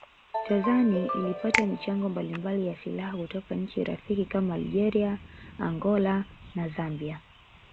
Tanzani ilipata michango mbalimbali ya silaha kutoka nchi rafiki kama Algeria Angola na Zambia